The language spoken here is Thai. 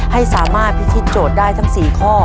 ให้สามารถพิธีโจทย์ได้ทั้ง๔ข้อ